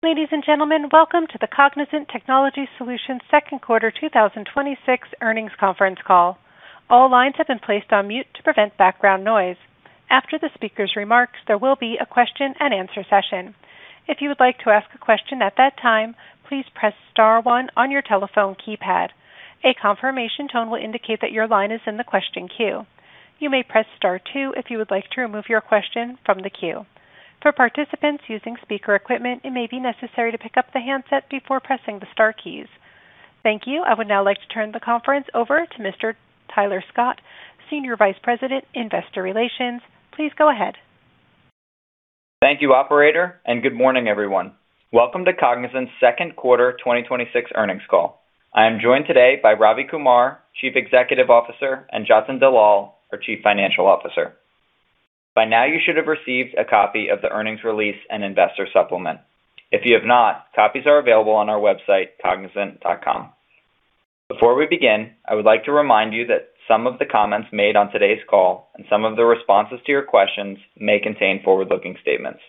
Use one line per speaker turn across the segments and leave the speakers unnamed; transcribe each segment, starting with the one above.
Ladies and gentlemen, welcome to the Cognizant Technology Solutions second quarter 2026 earnings conference call. All lines have been placed on mute to prevent background noise. After the speaker's remarks, there will be a question-and-answer session. If you would like to ask a question at that time, please press star one on your telephone keypad. A confirmation tone will indicate that your line is in the question queue. You may press star two if you would like to remove your question from the queue. For participants using speaker equipment, it may be necessary to pick up the handset before pressing the star keys. Thank you. I would now like to turn the conference over to Mr. Tyler Scott, Senior Vice President, Investor Relations. Please go ahead.
Thank you, operator. Good morning, everyone. Welcome to Cognizant's second quarter 2026 earnings call. I am joined today by Ravi Kumar, Chief Executive Officer, and Jatin Dalal, our Chief Financial Officer. By now, you should have received a copy of the earnings release and investor supplement. If you have not, copies are available on our website, cognizant.com. Before we begin, I would like to remind you that some of the comments made on today's call and some of the responses to your questions may contain forward-looking statements.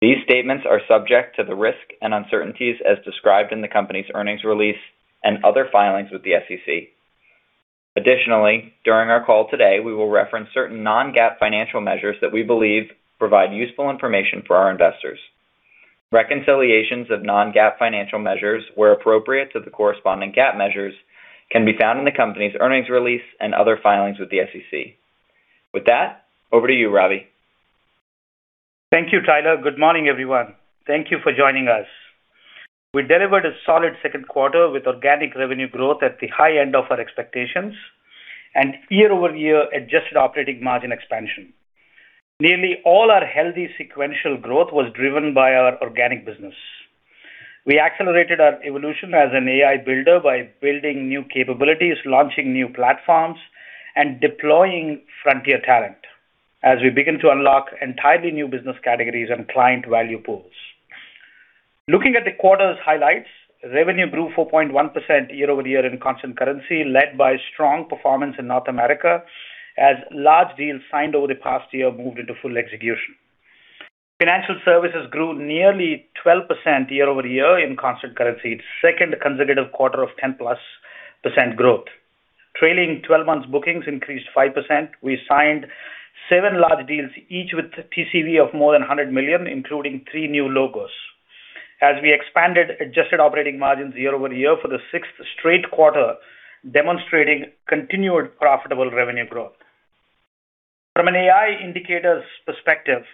These statements are subject to the risk and uncertainties as described in the company's earnings release and other filings with the SEC. Additionally, during our call today, we will reference certain non-GAAP financial measures that we believe provide useful information for our investors. Reconciliations of non-GAAP, where appropriate to the corresponding GAAP measures, can be found in the company's earnings release and other filings with the SEC. With that, over to you, Ravi.
Thank you, Tyler. Good morning, everyone. Thank you for joining us. We delivered a solid second quarter with organic revenue growth at the high end of our expectations and year-over-year adjusted operating margin expansion. Nearly all our healthy sequential growth was driven by our organic business. We accelerated our evolution as an AI builder by building new capabilities, launching new platforms, and deploying frontier talent as we begin to unlock entirely new business categories and client value pools. Looking at the quarter's highlights, revenue grew 4.1% year-over-year in constant currency, led by strong performance in North America as large deals signed over the past year moved into full execution. Financial services grew nearly 12% year-over-year in constant currency, its second consecutive quarter of 10%+ growth. Trailing 12 months bookings increased 5%. We signed seven large deals, each with TCV of more than $100 million, including three new logos. As we expanded adjusted operating margins year-over-year for the sixth straight quarter, demonstrating continued profitable revenue growth. From an AI indicators perspective,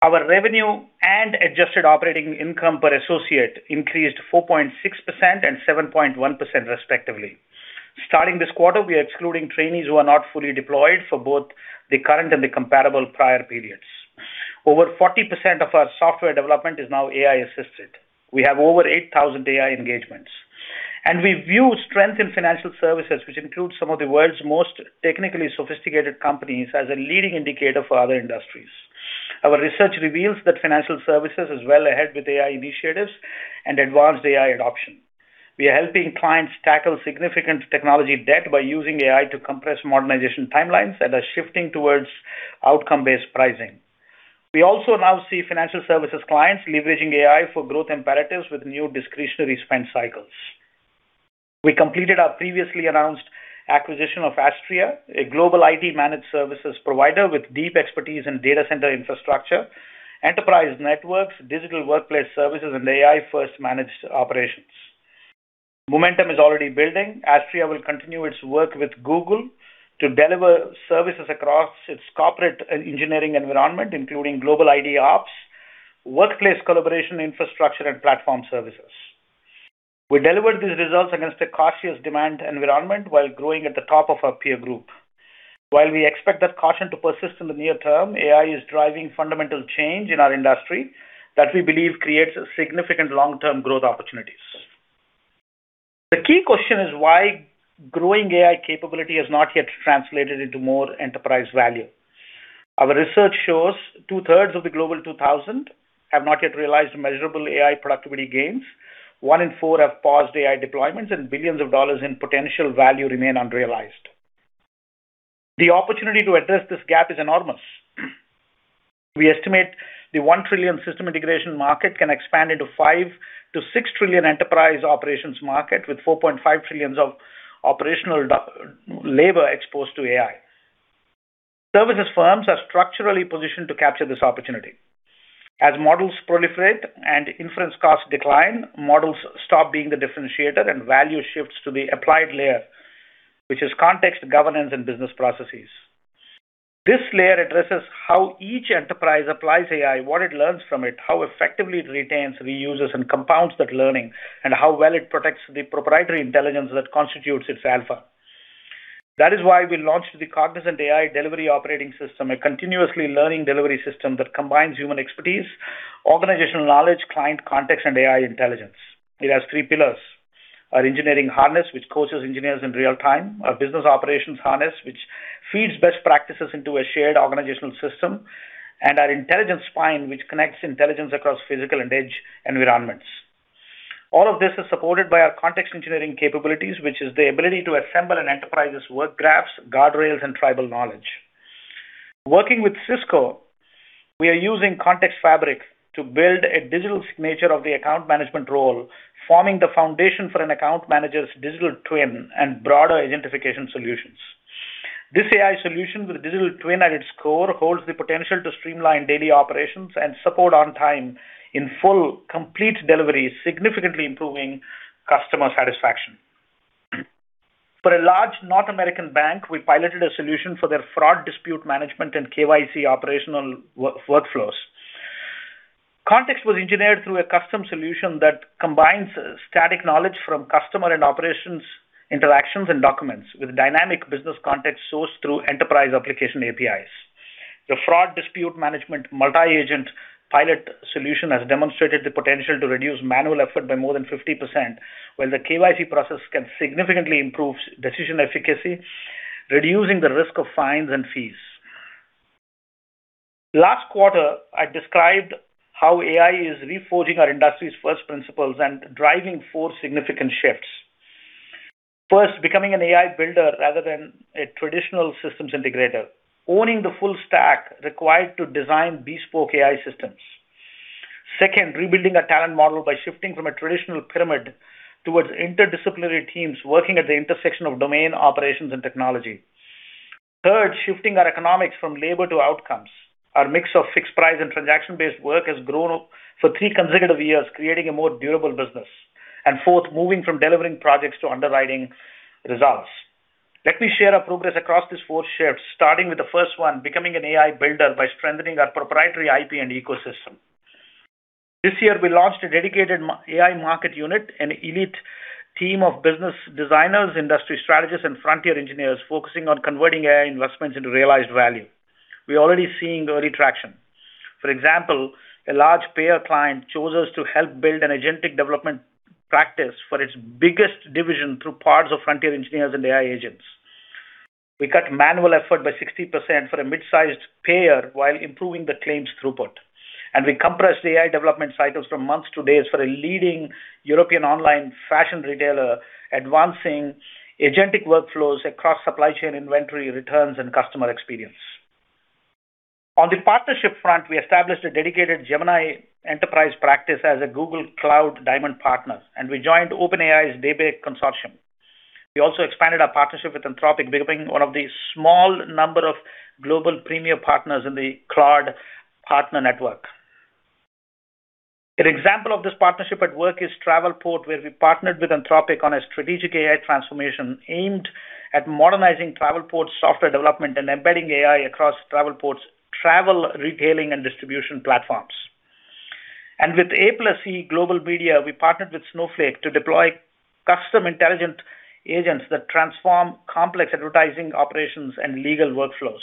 our revenue and adjusted operating income per associate increased 4.6% and 7.1% respectively. Starting this quarter, we are excluding trainees who are not fully deployed for both the current and the comparable prior periods. Over 40% of our software development is now AI-assisted. We have over 8,000 AI engagements. We view strength in financial services, which includes some of the world's most technically sophisticated companies as a leading indicator for other industries. Our research reveals that financial services is well ahead with AI initiatives and advanced AI adoption. We are helping clients tackle significant technology debt by using AI to compress modernization timelines and are shifting towards outcome-based pricing. We also now see financial services clients leveraging AI for growth imperatives with new discretionary spend cycles. We completed our previously announced acquisition of Astreya, a global IT managed services provider with deep expertise in data center infrastructure, enterprise networks, digital workplace services, and AI-first managed operations. Momentum is already building. Astreya will continue its work with Google to deliver services across its corporate engineering environment, including global IT ops, workplace collaboration infrastructure, and platform services. We delivered these results against a cautious demand environment while growing at the top of our peer group. While we expect that caution to persist in the near term, AI is driving fundamental change in our industry that we believe creates significant long-term growth opportunities. The key question is why growing AI capability has not yet translated into more enterprise value. Our research shows two-thirds of the Global 2000 have not yet realized measurable AI productivity gains. One in four have paused AI deployments, and billions of dollars in potential value remain unrealized. The opportunity to address this gap is enormous. We estimate the $1 trillion system integration market can expand into $5 trillion-$6 trillion enterprise operations market, with $4.5 trillion of operational labor exposed to AI. Services firms are structurally positioned to capture this opportunity. As models proliferate and inference costs decline, models stop being the differentiator, and value shifts to the applied layer, which is context, governance, and business processes. This layer addresses how each enterprise applies AI, what it learns from it, how effectively it retains, reuses, and compounds that learning, and how well it protects the proprietary intelligence that constitutes its alpha. That is why we launched the Cognizant AI Delivery Operating System, a continuously learning delivery system that combines human expertise, organizational knowledge, client context, and AI intelligence. It has three pillars: our engineering harness, which coaches engineers in real time, our business operations harness, which feeds best practices into a shared organizational system, and our Intelligence Spine, which connects intelligence across physical and edge environments. All of this is supported by our context engineering capabilities, which is the ability to assemble an enterprise's work graphs, guardrails, and tribal knowledge. Working with Cisco, we are using ContextFabric to build a digital signature of the account management role, forming the foundation for an account manager's digital twin and broader identification solutions. This AI solution, with a digital twin at its core, holds the potential to streamline daily operations and support on time in full, complete deliveries, significantly improving customer satisfaction. For a large North American bank, we piloted a solution for their fraud dispute management and KYC operational workflows. Context was engineered through a custom solution that combines static knowledge from customer and operations interactions and documents with dynamic business context sourced through enterprise application APIs. The fraud dispute management multi-agent pilot solution has demonstrated the potential to reduce manual effort by more than 50%, while the KYC process can significantly improve decision efficacy, reducing the risk of fines and fees. Last quarter, I described how AI is reforging our industry's first principles and driving four significant shifts. First, becoming an AI builder rather than a traditional systems integrator, owning the full stack required to design bespoke AI systems. Second, rebuilding our talent model by shifting from a traditional pyramid towards interdisciplinary teams working at the intersection of domain operations and technology. Third, shifting our economics from labor to outcomes. Our mix of fixed price and transaction-based work has grown for three consecutive years, creating a more durable business. And fourth, moving from delivering projects to underwriting results. Let me share our progress across these four shifts, starting with the first one, becoming an AI builder by strengthening our proprietary IP and ecosystem. This year, we launched a dedicated AI market unit, an elite team of business designers, industry strategists, and frontier engineers focusing on converting AI investments into realized value. We are already seeing early traction. For example, a large payer client chose us to help build an agentic development practice for its biggest division through pods of frontier engineers and AI agents. We cut manual effort by 60% for a mid-sized payer while improving the claims throughput. We compressed AI development cycles from months to days for a leading European online fashion retailer, advancing agentic workflows across supply chain inventory, returns, and customer experience. On the partnership front, we established a dedicated Gemini Enterprise practice as a Google Cloud diamond partner. We joined OpenAI's Daybreak Consortium. We also expanded our partnership with Anthropic, becoming one of the small number of global premier partners in the Claude Partner Network. An example of this partnership at work is Travelport, where we partnered with Anthropic on a strategic AI transformation aimed at modernizing Travelport's software development and embedding AI across Travelport's travel, retailing, and distribution platforms, and with A+E Networks, we partnered with Snowflake to deploy custom intelligent agents that transform complex advertising operations and legal workflows.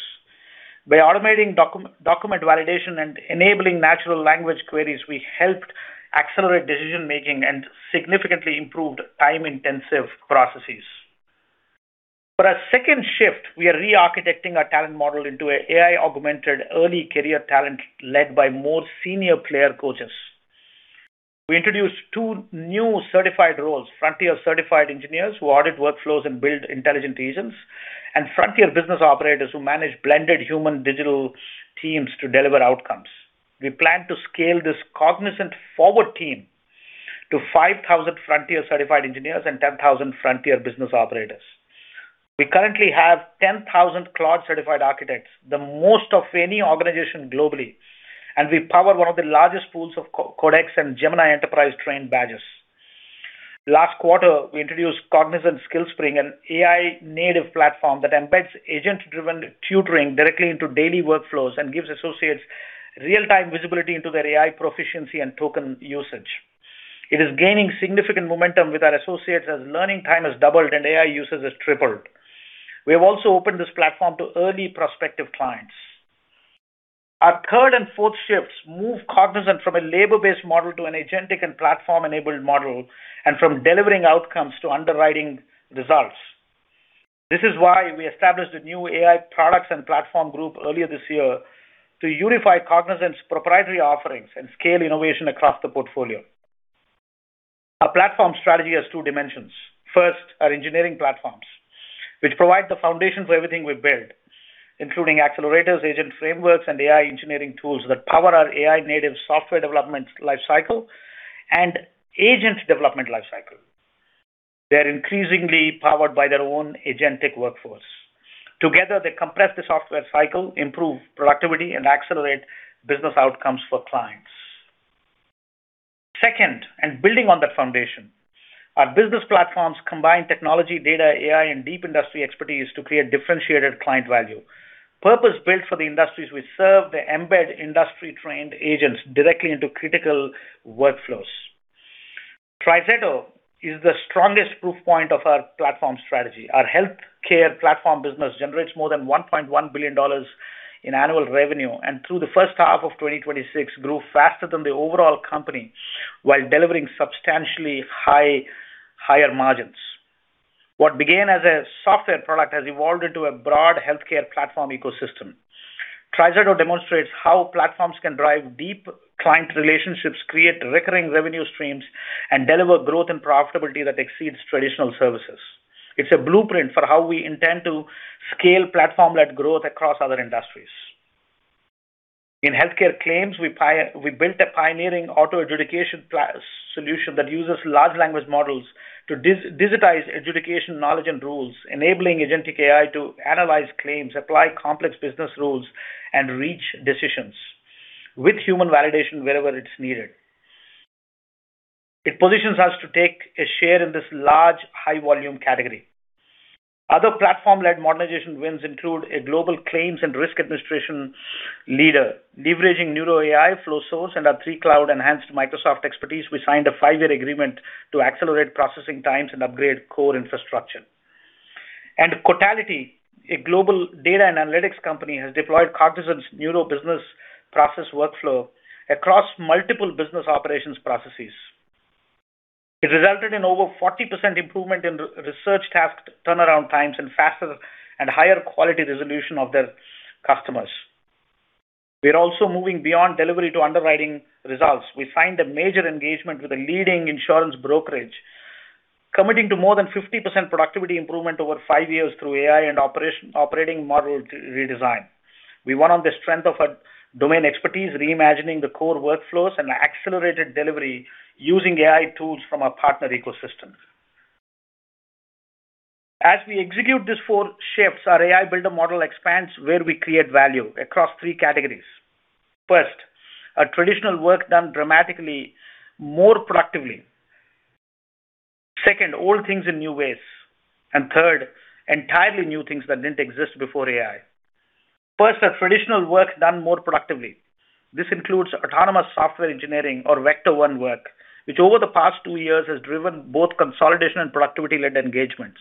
By automating document validation and enabling natural language queries, we helped accelerate decision-making and significantly improved time-intensive processes. For our second shift, we are re-architecting our talent model into an AI-augmented early career talent led by more senior player coaches. We introduced two new certified roles, frontier-certified engineers who audit workflows and build intelligent agents, and frontier business operators who manage blended human digital teams to deliver outcomes. We plan to scale this Cognizant Forward team to 5,000 frontier-certified engineers and 10,000 frontier business operators. We currently have 10,000 Cloud certified architects, the most of any organization globally, and we power one of the largest pools of Codex and Gemini Enterprise-trained badges. Last quarter, we introduced Cognizant SkillSpring, an AI-native platform that embeds agent-driven tutoring directly into daily workflows and gives associates real-time visibility into their AI proficiency and token usage. It is gaining significant momentum with our associates as learning time has doubled and AI usage has tripled. We have also opened this platform to early prospective clients. Our third and fourth shifts move Cognizant from a labor-based model to an agentic and platform-enabled model, from delivering outcomes to underwriting results. This is why we established a new AI products and platform group earlier this year to unify Cognizant's proprietary offerings and scale innovation across the portfolio. Our platform strategy has two dimensions. First, our engineering platforms, which provide the foundation for everything we build, including accelerators, agent frameworks, and AI engineering tools that power our AI-native software development life cycle and agent development life cycle. They are increasingly powered by their own agentic workforce. Together, they compress the software cycle, improve productivity, and accelerate business outcomes for clients. Second, building on that foundation, our business platforms combine technology, data, AI, and deep industry expertise to create differentiated client value. Purpose-built for the industries we serve, they embed industry-trained agents directly into critical workflows. TriZetto is the strongest proof point of our platform strategy. Our healthcare platform business generates more than $1.1 billion in annual revenue, through the first half of 2026, grew faster than the overall company while delivering substantially higher margins. What began as a software product has evolved into a broad healthcare platform ecosystem. TriZetto demonstrates how platforms can drive deep client relationships, create recurring revenue streams, and deliver growth and profitability that exceeds traditional services. It is a blueprint for how we intend to scale platform-led growth across other industries. In healthcare claims, we built a pioneering auto adjudication solution that uses large language models to digitize adjudication knowledge and rules, enabling agentic AI to analyze claims, apply complex business rules, and reach decisions with human validation wherever it is needed. It positions us to take a share in this large, high-volume category. Other platform-led modernization wins include a global claims and risk administration leader leveraging Neuro AI, Flowsource, and our 3Cloud-enhanced Microsoft expertise. We signed a five-year agreement to accelerate processing times and upgrade core infrastructure. And cotality, a global data and analytics company, has deployed Cognizant Neuro Business Processes workflow across multiple business operations processes. It resulted in over 40% improvement in research task turnaround times, faster and higher quality resolution of their customers. We are also moving beyond delivery to underwriting results. We signed a major engagement with a leading insurance brokerage, committing to more than 50% productivity improvement over five years through AI and operating model redesign. We won on the strength of our domain expertise, reimagining the core workflows, accelerated delivery using AI tools from our partner ecosystems. As we execute these four shifts, our AI builder model expands where we create value across three categories. First, our traditional work done dramatically more productively. Second, old things in new ways. Third, entirely new things that did not exist before AI. First, our traditional work done more productively. This includes autonomous software engineering or Vector 1 work, which over the past two years has driven both consolidation and productivity-led engagements.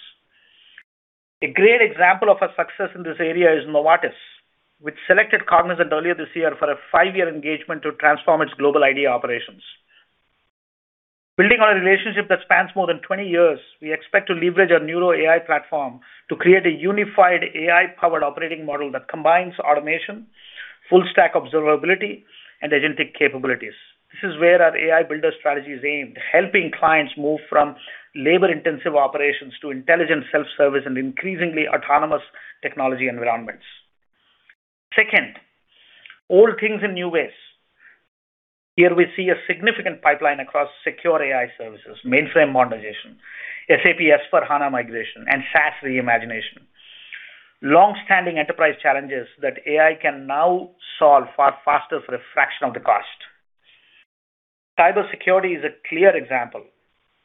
A great example of our success in this area is Novartis, which selected Cognizant earlier this year for a five-year engagement to transform its global ID operations. Building on a relationship that spans more than 20 years, we expect to leverage our Neuro AI platform to create a unified AI-powered operating model that combines automation, full stack observability, and agentic capabilities. This is where our AI Builder Strategy is aimed, helping clients move from labor-intensive operations to intelligent self-service and increasingly autonomous technology environments. Second, old things in new ways. Here we see a significant pipeline across secure AI services, mainframe modernization, SAP S/4HANA migration, and SaaS reimagination. Long-standing enterprise challenges that AI can now solve far faster for a fraction of the cost. Cybersecurity is a clear example.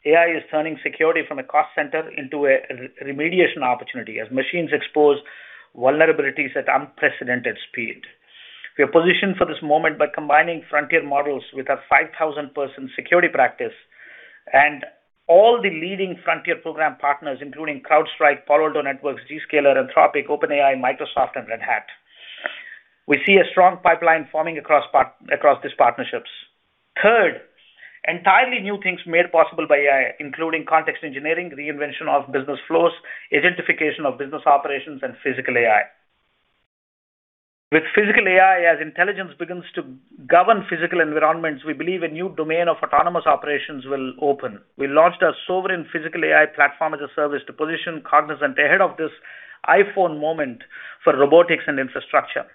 AI is turning security from a cost center into a remediation opportunity as machines expose vulnerabilities at unprecedented speed. We are positioned for this moment by combining frontier models with our 5,000-person security practice and all the leading frontier program partners, including CrowdStrike, Palo Alto Networks, Zscaler, Anthropic, OpenAI, Microsoft and Red Hat. We see a strong pipeline forming across these partnerships. Third, entirely new things made possible by AI, including context engineering, reinvention of business flows, agentification of business operations, and Physical AI. With Physical AI, as intelligence begins to govern physical environments, we believe a new domain of autonomous operations will open. We launched our sovereign Physical AI platform as a service to position Cognizant ahead of this iPhone moment for robotics and infrastructure.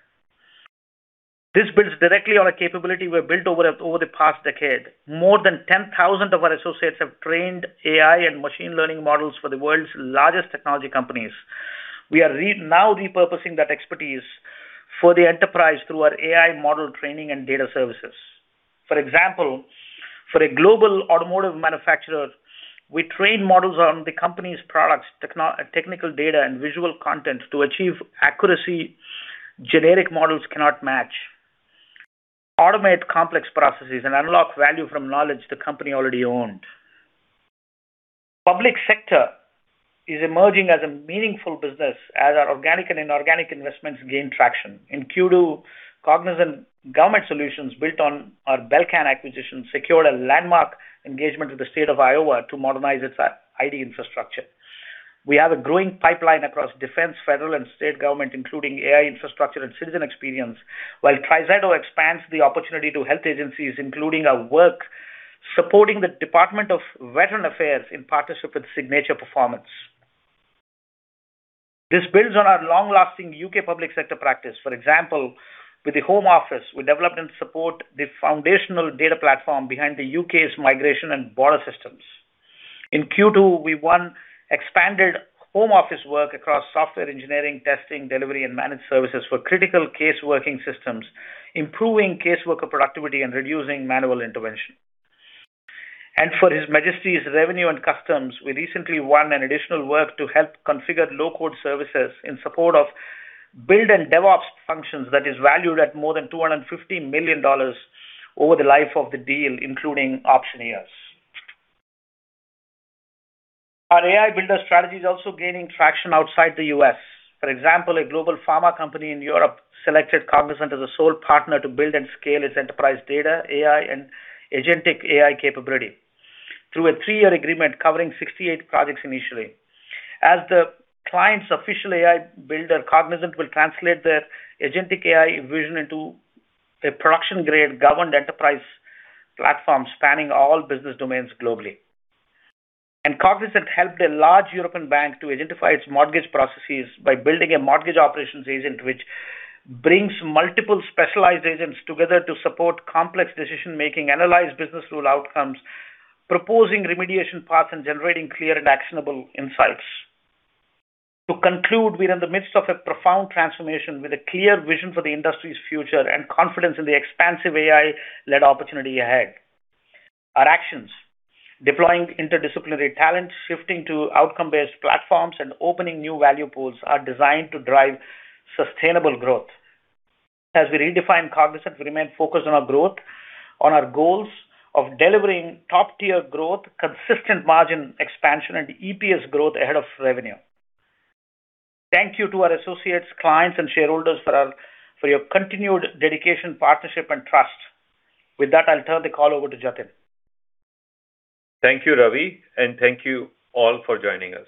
This builds directly on a capability we have built over the past decade. More than 10,000 of our associates have trained AI and machine learning models for the world's largest technology companies. We are now repurposing that expertise for the enterprise through our AI model training and data services. For example, for a global automotive manufacturer, we train models on the company's products, technical data and visual content to achieve accuracy generic models cannot match, automate complex processes, and unlock value from knowledge the company already owned. Public sector is emerging as a meaningful business as our organic and inorganic investments gain traction. In Q2, Cognizant Government Solutions, built on our Belcan acquisition, secured a landmark engagement with the State of Iowa to modernize its ID infrastructure. We have a growing pipeline across defense, federal and state government, including AI infrastructure and citizen experience, while TriZetto expands the opportunity to health agencies, including our work supporting the Department of Veterans Affairs in partnership with Signature Performance. This builds on our long-lasting U.K. public sector practice. For example, with the Home Office, we developed and support the foundational data platform behind the U.K.'s migration and border systems. In Q2, we won expanded Home Office work across software engineering, testing, delivery, and managed services for critical case working systems, improving caseworker productivity and reducing manual intervention. For His Majesty's Revenue and Customs, we recently won an additional work to help configure low-code services in support of build and DevOps functions that is valued at more than $250 million over the life of the deal, including option years. Our AI Builder Strategy is also gaining traction outside the U.S. For example, a global pharma company in Europe selected Cognizant as a sole partner to build and scale its enterprise data, AI and agentic AI capability through a three-year agreement covering 68 projects initially. As the client's official AI Builder, Cognizant will translate their agentic AI vision into a production-grade governed enterprise platforms spanning all business domains globally. Cognizant helped a large European bank to identify its mortgage processes by building a mortgage operations agent, which brings multiple specialized agents together to support complex decision-making, analyze business rule outcomes, proposing remediation paths, and generating clear and actionable insights. To conclude, we are in the midst of a profound transformation with a clear vision for the industry's future and confidence in the expansive AI-led opportunity ahead. Our actions, deploying interdisciplinary talent, shifting to outcome-based platforms, and opening new value pools are designed to drive sustainable growth. As we redefine Cognizant, we remain focused on our growth, on our goals of delivering top-tier growth, consistent margin expansion, and EPS growth ahead of revenue. Thank you to our associates, clients and shareholders for your continued dedication, partnership, and trust. With that, I will turn the call over to Jatin.
Thank you, Ravi, and thank you all for joining us.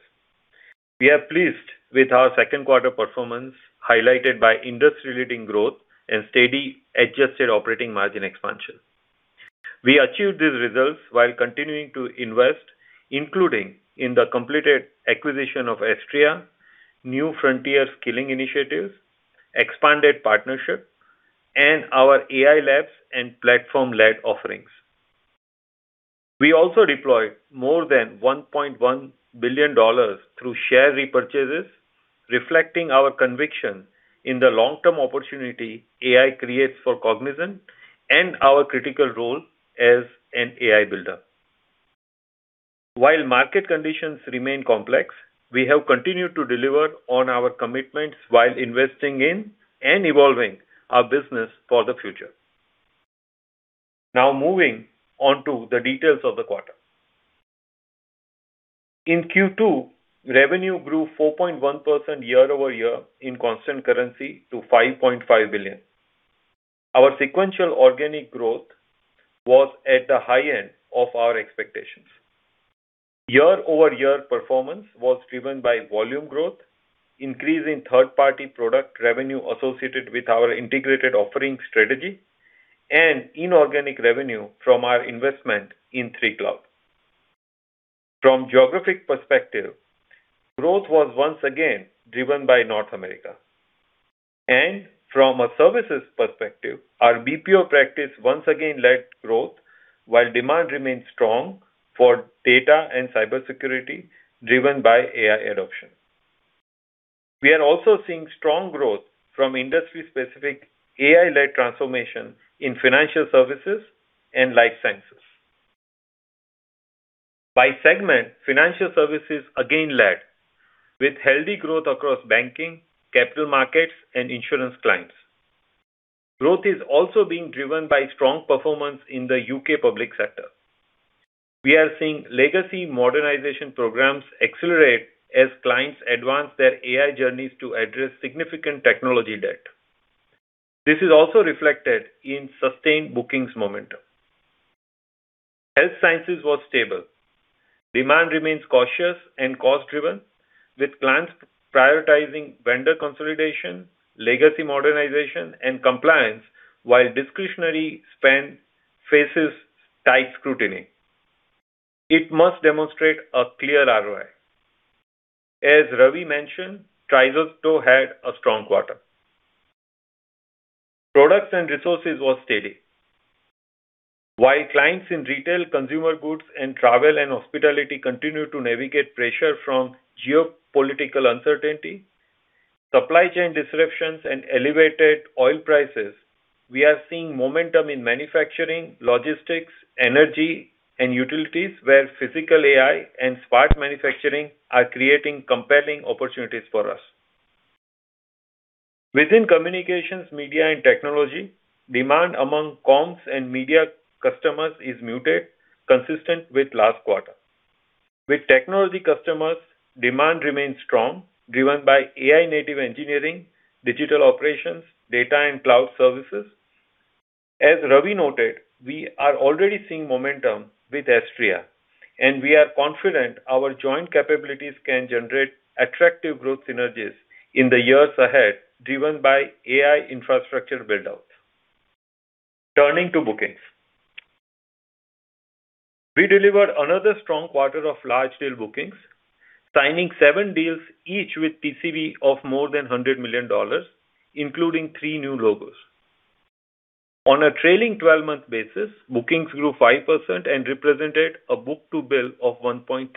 We are pleased with our second quarter performance, highlighted by industry-leading growth and steady adjusted operating margin expansion. We achieved these results while continuing to invest, including in the completed acquisition of Astreya, new frontiers skilling initiatives, expanded partnership, and our AI labs and platform-led offerings. We also deployed more than $1.1 billion through share repurchases, reflecting our conviction in the long-term opportunity AI creates for Cognizant and our critical role as an AI builder. While market conditions remain complex, we have continued to deliver on our commitments while investing in and evolving our business for the future. Moving on to the details of the quarter. In Q2, revenue grew 4.1% year-over-year in constant currency to $5.5 billion. Our sequential organic growth was at the high end of our expectations. Year-over-year performance was driven by volume growth, increase in third-party product revenue associated with our integrated offering strategy, and inorganic revenue from our investment in 3Cloud. From geographic perspective, growth was once again driven by North America. From a services perspective, our BPO practice once again led growth, while demand remained strong for data and cybersecurity driven by AI adoption. We are also seeing strong growth from industry-specific AI-led transformation in financial services and life sciences. By segment, financial services again led with healthy growth across banking, capital markets, and insurance clients. Growth is also being driven by strong performance in the U.K. public sector. We are seeing legacy modernization programs accelerate as clients advance their AI journeys to address significant technology debt. This is also reflected in sustained bookings momentum. Health sciences was stable. Demand remains cautious and cost-driven, with clients prioritizing vendor consolidation, legacy modernization, and compliance, while discretionary spend faces tight scrutiny. It must demonstrate a clear ROI. As Ravi mentioned, TriZetto had a strong quarter. Products and resources was steady. While clients in retail, consumer goods, and travel and hospitality continue to navigate pressure from geopolitical uncertainty, supply chain disruptions and elevated oil prices, we are seeing momentum in manufacturing, logistics, energy and utilities, where Physical AI and smart manufacturing are creating compelling opportunities for us. Within communications, media and technology, demand among comms and media customers is muted, consistent with last quarter. With technology customers, demand remains strong, driven by AI-native engineering, digital operations, data and cloud services. As Ravi noted, we are already seeing momentum with Astreya, and we are confident our joint capabilities can generate attractive growth synergies in the years ahead, driven by AI infrastructure build-out. Turning to bookings. We delivered another strong quarter of large deal bookings, signing seven deals, each with TCV of more than $100 million, including three new logos. On a trailing 12-month basis, bookings grew 5% and represented a book-to-bill of 1.3.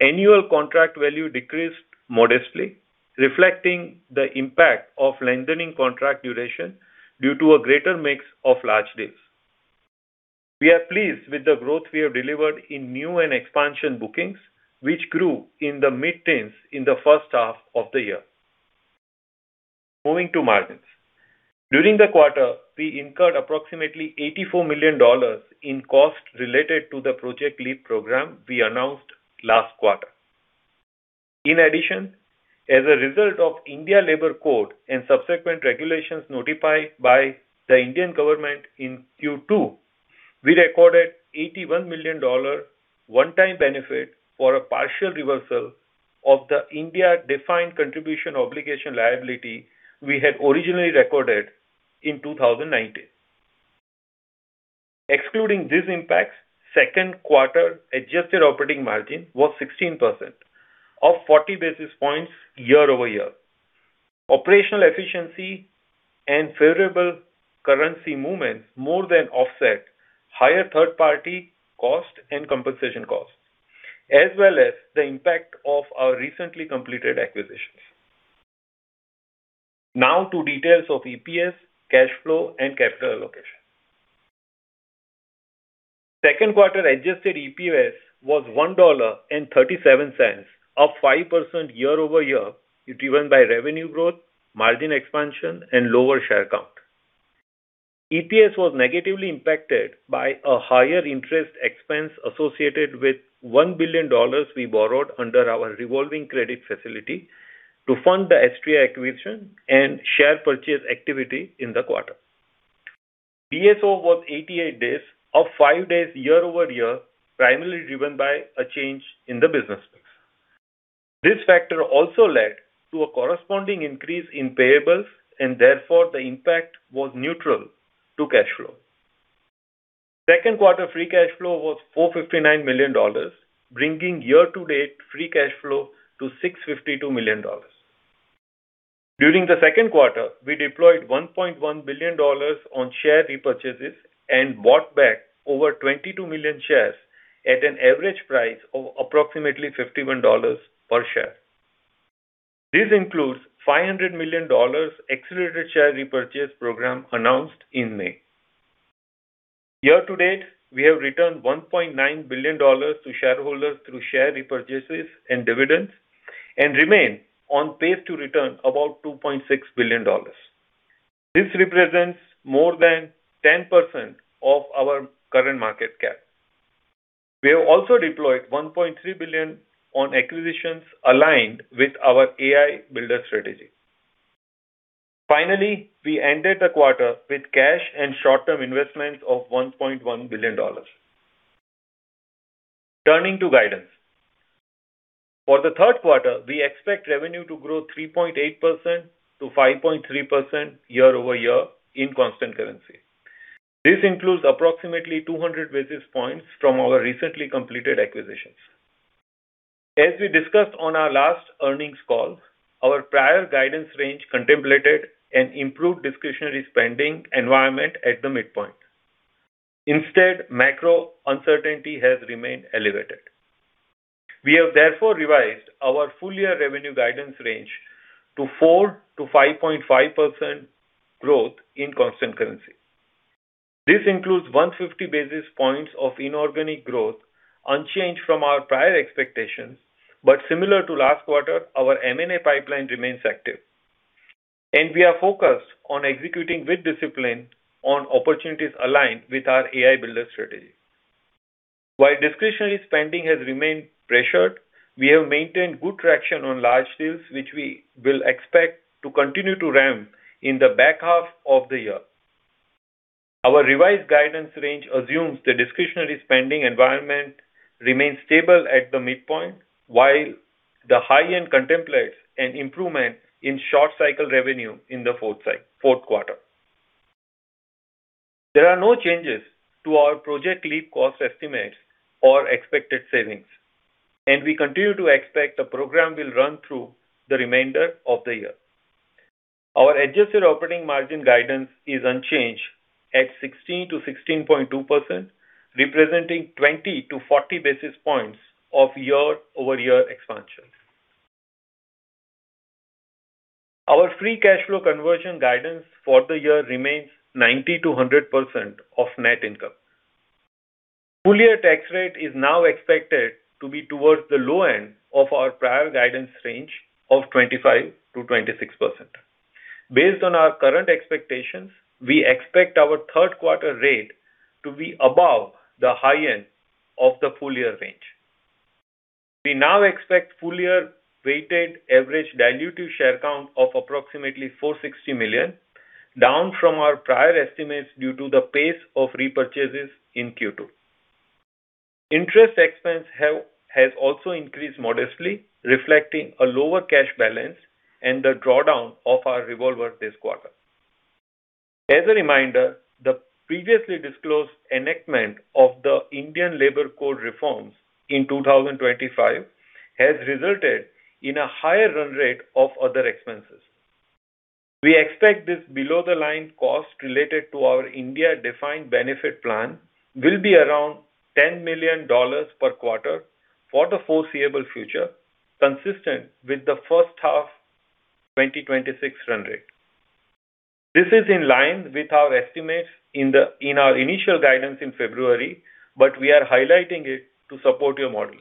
Annual contract value decreased modestly, reflecting the impact of lengthening contract duration due to a greater mix of large deals. We are pleased with the growth we have delivered in new and expansion bookings, which grew in the mid-teens in the first half of the year. Moving to margins. During the quarter, we incurred approximately $84 million in costs related to the Project Leap program we announced last quarter. As a result of India Labour Codes and subsequent regulations notified by the Indian government in Q2, we recorded $81 million one-time benefit for a partial reversal of the India defined contribution obligation liability we had originally recorded in 2019. Excluding these impacts, second quarter adjusted operating margin was 16%, up 40 basis points year-over-year. Operational efficiency and favorable currency movements more than offset higher third-party cost and compensation costs, as well as the impact of our recently completed acquisitions. Now to details of EPS, cash flow, and capital allocation. Second quarter adjusted EPS was $1.37, up 5% year-over-year, driven by revenue growth, margin expansion, and lower share count. EPS was negatively impacted by a higher interest expense associated with $1 billion we borrowed under our revolving credit facility to fund the Astreya acquisition and share purchase activity in the quarter. DSO was 88 days, up five days year-over-year, primarily driven by a change in the business mix. This factor also led to a corresponding increase in payables, and therefore, the impact was neutral to cash flow. Second quarter free cash flow was $459 million, bringing year-to-date free cash flow to $652 million. During the second quarter, we deployed $1.1 billion on share repurchases and bought back over 22 million shares at an average price of approximately $51 per share. This includes $500 million accelerated share repurchase program announced in May. Year-to-date, we have returned $1.9 billion to shareholders through share repurchases and dividends and remain on pace to return about $2.6 billion. This represents more than 10% of our current market cap. We have also deployed $1.3 billion on acquisitions aligned with our AI Builder Strategy. We ended the quarter with cash and short-term investments of $1.1 billion. Turning to guidance. For the third quarter, we expect revenue to grow 3.8%-5.3% year-over-year in constant currency. This includes approximately 200 basis points from our recently completed acquisitions. As we discussed on our last earnings call, our prior guidance range contemplated an improved discretionary spending environment at the midpoint. Instead, macro uncertainty has remained elevated. We have therefore revised our full-year revenue guidance range to 4%-5.5% growth in constant currency. This includes 150 basis points of inorganic growth, unchanged from our prior expectations, but similar to last quarter, our M&A pipeline remains active. We are focused on executing with discipline on opportunities aligned with our AI Builder Strategy. While discretionary spending has remained pressured, we have maintained good traction on large deals, which we will expect to continue to ramp in the back half of the year. Our revised guidance range assumes the discretionary spending environment remains stable at the midpoint, while the high end contemplates an improvement in short cycle revenue in the fourth quarter. There are no changes to our Project Leap cost estimates or expected savings, and we continue to expect the program will run through the remainder of the year. Our adjusted operating margin guidance is unchanged at 16%-16.2%, representing 20 to 40 basis points of year-over-year expansion. Our free cash flow conversion guidance for the year remains 90%-100% of net income. Full-year tax rate is now expected to be towards the low end of our prior guidance range of 25%-26%. Based on our current expectations, we expect our third quarter rate to be above the high end of the full-year range. We now expect full-year weighted average dilutive share count of approximately 460 million, down from our prior estimates due to the pace of repurchases in Q2. Interest expense has also increased modestly, reflecting a lower cash balance and the drawdown of our revolver this quarter. As a reminder, the previously disclosed enactment of the Indian Labour Code Reforms in 2025 has resulted in a higher run rate of other expenses. We expect this below-the-line cost related to our India defined benefit plan will be around $10 million per quarter for the foreseeable future, consistent with the first half 2026 run rate. This is in line with our estimates in our initial guidance in February, but we are highlighting it to support your modeling.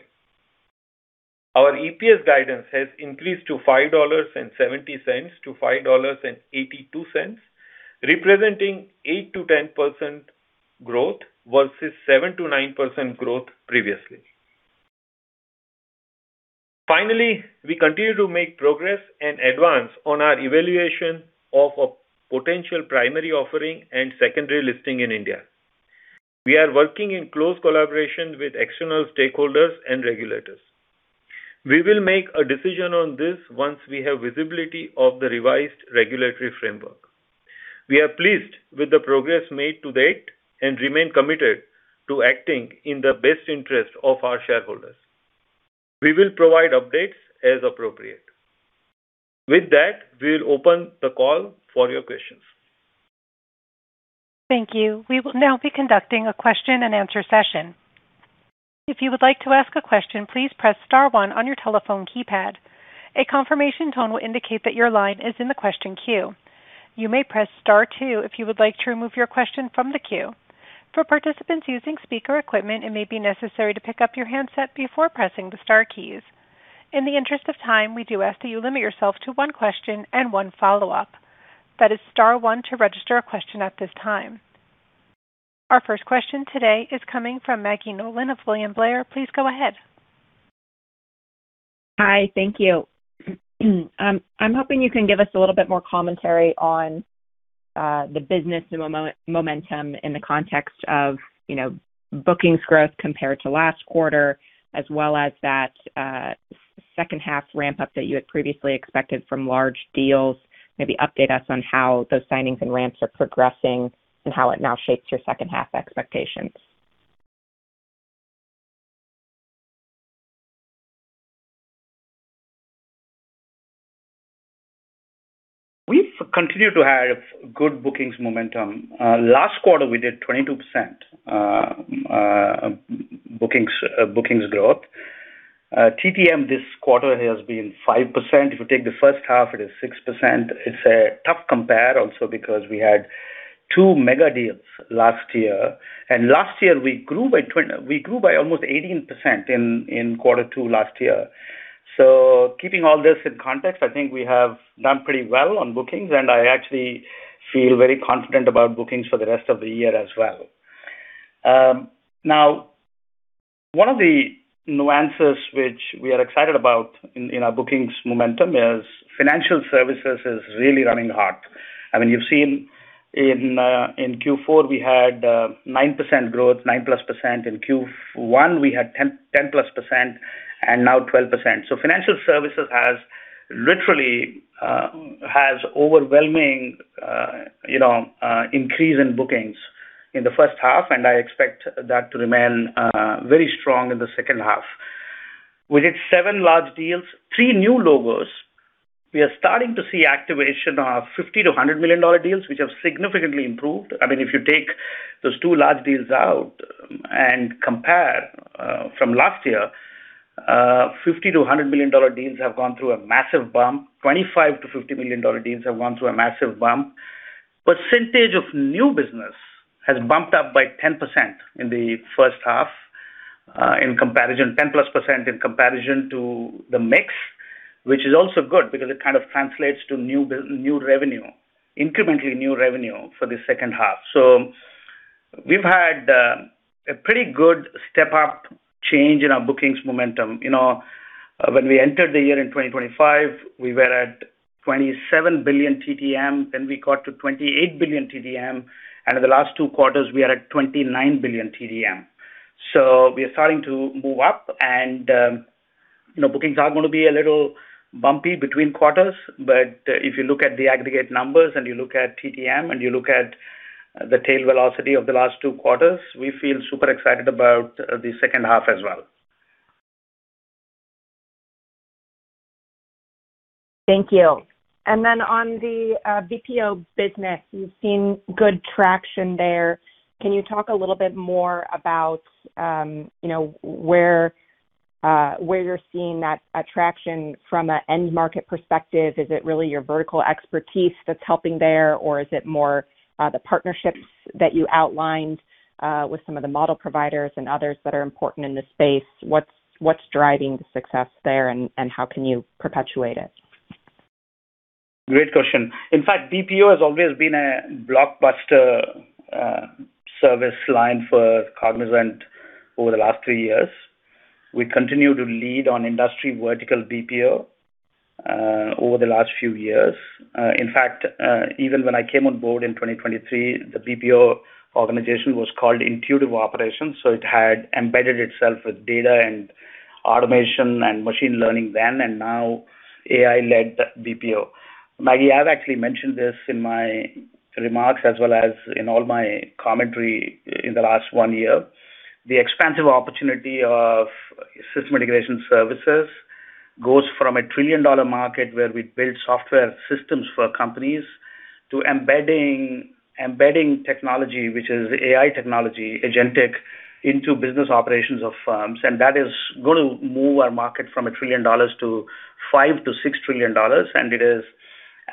Our EPS guidance has increased to $5.70-$5.82, representing 8%-10% growth versus 7%-9% growth previously. Finally, we continue to make progress and advance on our evaluation of a potential primary offering and secondary listing in India. We are working in close collaboration with external stakeholders and regulators. We will make a decision on this once we have visibility of the revised regulatory framework. We are pleased with the progress made to date and remain committed to acting in the best interest of our shareholders. We will provide updates as appropriate. With that, we'll open the call for your questions.
Thank you. We will now be conducting a question and answer session. If you would like to ask a question, please press star one on your telephone keypad. A confirmation tone will indicate that your line is in the question queue. You may press star two if you would like to remove your question from the queue. For participants using speaker equipment, it may be necessary to pick up your handset before pressing the star keys. In the interest of time, we do ask that you limit yourself to one question and one follow-up. That is star one to register a question at this time. Our first question today is coming from Maggie Nolan of William Blair. Please go ahead.
Hi. Thank you. I'm hoping you can give us a little bit more commentary on the business momentum in the context of bookings growth compared to last quarter, as well as that second half ramp-up that you had previously expected from large deals. Maybe update us on how those signings and ramps are progressing and how it now shapes your second half expectations.
We've continued to have good bookings momentum. Last quarter, we did 22% bookings growth. TTM this quarter has been 5%. If you take the first half, it is 6%. It's a tough compare also because we had two mega deals last year. Last year, we grew by almost 18% in quarter two last year. Keeping all this in context, I think we have done pretty well on bookings, and I actually feel very confident about bookings for the rest of the year as well. Now, one of the nuances which we are excited about in our bookings momentum is financial services is really running hot. You've seen in Q4, we had 9% growth, 9%+. In Q1, we had 10%+, and now 12%. Financial services has literally, has overwhelming increase in bookings in the first half, and I expect that to remain very strong in the second half. We did seven large deals, three new logos. We are starting to see activation of $50 million-$100 million deals, which have significantly improved. If you take those two large deals out and compare from last year, $50 million-$100 million deals have gone through a massive bump. $25 million-$50 million deals have gone through a massive bump. Percentage of new business has bumped up by 10% in the first half. In comparison, 10%+ in comparison to the mix, which is also good because it kind of translates to new revenue, incrementally new revenue for the second half. We've had a pretty good step-up change in our bookings momentum. When we entered the year in 2025, we were at $27 billion TTM, then we got to $28 billion TTM, and in the last two quarters, we are at $29 billion TTM. We are starting to move up and bookings are going to be a little bumpy between quarters, but if you look at the aggregate numbers and you look at TTM and you look at the tail velocity of the last two quarters, we feel super excited about the second half as well.
Thank you. And then on the BPO business, you've seen good traction there. Can you talk a little bit more about where you're seeing that traction from an end market perspective? Is it really your vertical expertise that's helping there? Or is it more the partnerships that you outlined with some of the model providers and others that are important in this space? What's driving the success there and how can you perpetuate it?
Great question. In fact, BPO has always been a blockbuster service line for Cognizant over the last three years. We continue to lead on industry vertical BPO over the last few years. In fact, even when I came on board in 2023, the BPO organization was called Intuitive Operations. It had embedded itself with data and automation and machine learning then and now AI-led BPO. Maggie, I've actually mentioned this in my remarks as well as in all my commentary in the last one year. The expansive opportunity of system integration services goes from a $1 trillion market where we build software systems for companies to embedding technology, which is AI technology, agentic, into business operations of firms. That is going to move our market from a $1 trillion to $5 trillion-$6 trillion. It is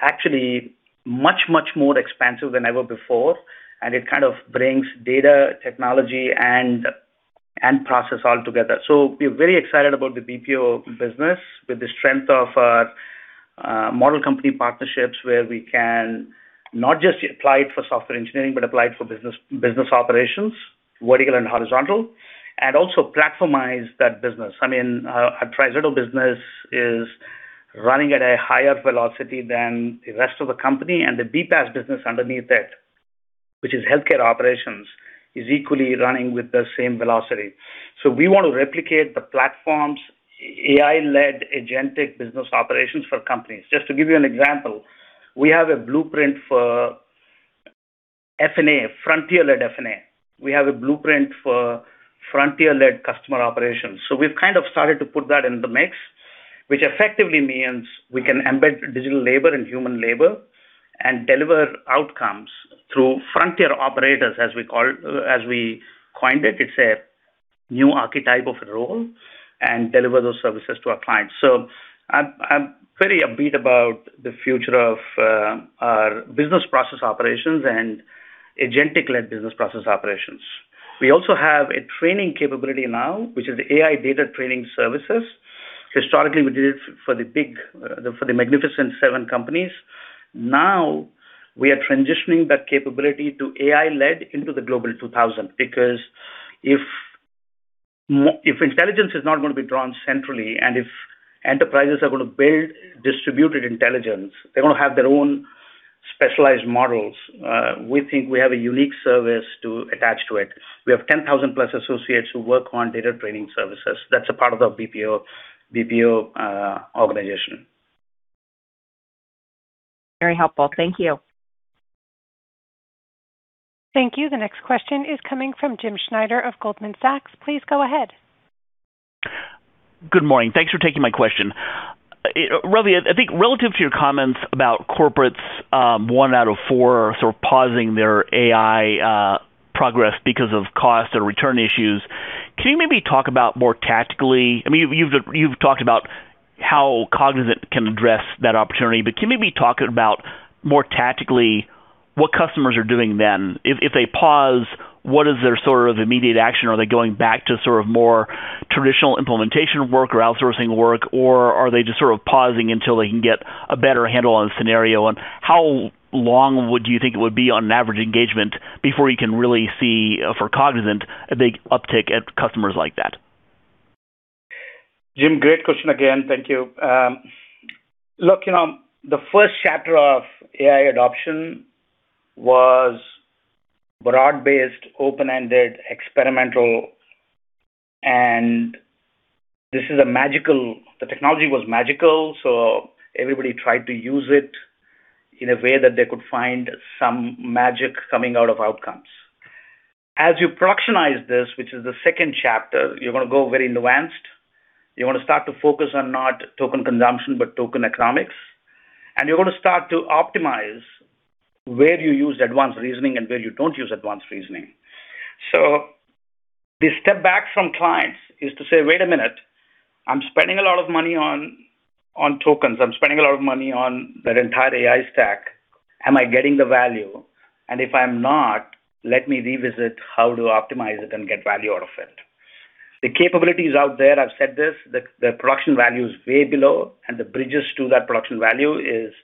actually much, much more expansive than ever before, and it kind of brings data technology and process all together. We're very excited about the BPO business with the strength of our model company partnerships where we can not just apply it for software engineering, but apply it for business operations, vertical and horizontal, and also platformize that business. Our TriZetto business is running at a higher velocity than the rest of the company, and the BPaaS business underneath it, which is healthcare operations, is equally running with the same velocity. We want to replicate the platforms, AI-led agentic business operations for companies. Just to give you an example, we have a blueprint for F&A, frontier-led F&A. We have a blueprint for frontier-led customer operations. We've started to put that in the mix, which effectively means we can embed digital labor and human labor and deliver outcomes through frontier operators, as we coined it. It's a new archetype of a role, and deliver those services to our clients. I'm very upbeat about the future of our business process operations and agentic-led business process operations. We also have a training capability now, which is the AI data training services. Historically, we did it for the magnificent seven companies. Now we are transitioning that capability to AI-led into the Global 2000. If intelligence is not going to be drawn centrally and if enterprises are going to build distributed intelligence, they're going to have their own specialized models, we think we have a unique service to attach to it. We have 10,000 plus associates who work on data training services. That's a part of the BPO organization.
Very helpful. Thank you.
Thank you. The next question is coming from Jim Schneider of Goldman Sachs. Please go ahead.
Good morning. Thanks for taking my question. Ravi, I think relative to your comments about corporates, one out of four pausing their AI progress because of cost or return issues, can you maybe talk about more tactically, you've talked about how Cognizant can address that opportunity, but can you maybe talk about more tactically what customers are doing then? If they pause, what is their immediate action? Are they going back to more traditional implementation work or outsourcing work, or are they just pausing until they can get a better handle on the scenario? How long would you think it would be on an average engagement before you can really see, for Cognizant, a big uptick at customers like that?
Jim, great question again. Thank you. Look, the first chapter of AI adoption was broad-based, open-ended, experimental, and the technology was magical, so everybody tried to use it in a way that they could find some magic coming out of outcomes. As you productionize this, which is the second chapter, you're going to go very nuanced. You're going to start to focus on not token consumption, but token economics. You're going to start to optimize where you use advanced reasoning and where you don't use advanced reasoning. The step back from clients is to say, "Wait a minute, I'm spending a lot of money on tokens. I'm spending a lot of money on that entire AI stack. Am I getting the value? If I'm not, let me revisit how to optimize it and get value out of it." The capability is out there, I've said this. The production value is way below, and the bridges to that production value is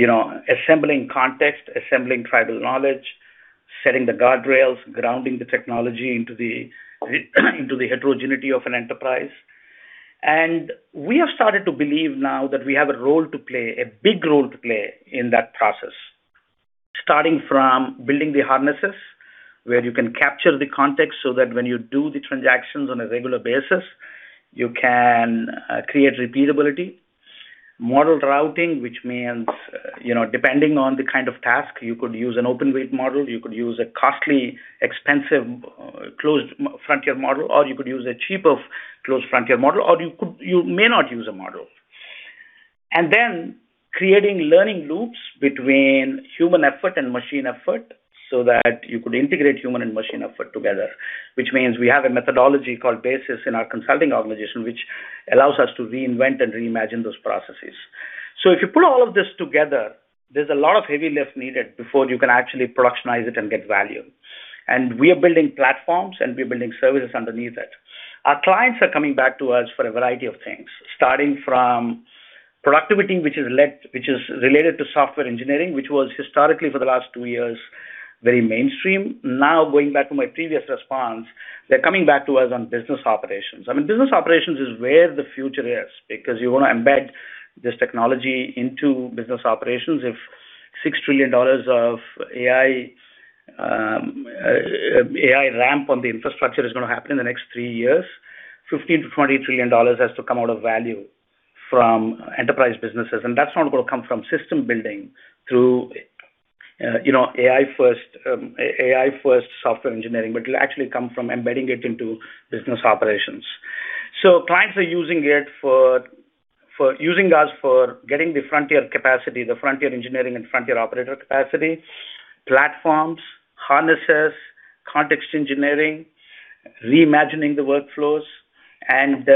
assembling context, assembling tribal knowledge, setting the guardrails, grounding the technology into the heterogeneity of an enterprise. We have started to believe now that we have a role to play, a big role to play in that process. Starting from building the harnesses, where you can capture the context so that when you do the transactions on a regular basis, you can create repeatability. Model routing, which means, depending on the kind of task, you could use an open weight model, you could use a costly, expensive, closed frontier model, or you could use a cheap closed frontier model, or you may not use a model. Then creating learning loops between human effort and machine effort so that you could integrate human and machine effort together, which means we have a methodology called BASIS in our consulting organization, which allows us to reinvent and reimagine those processes. If you put all of this together, there's a lot of heavy lift needed before you can actually productionize it and get value. We are building platforms, and we are building services underneath it. Our clients are coming back to us for a variety of things, starting from productivity, which is related to software engineering, which was historically for the last two years, very mainstream. Now, going back to my previous response, they're coming back to us on business operations. Business operations is where the future is because you want to embed this technology into business operations. If $6 trillion of AI ramp on the infrastructure is going to happen in the next three years, $15 trillion-$20 trillion has to come out of value from enterprise businesses. That's not going to come from system building through AI first software engineering, but it'll actually come from embedding it into business operations. Clients are using us for getting the frontier capacity, the frontier engineering and frontier operator capacity, platforms, harnesses, context engineering, reimagining the workflows. Some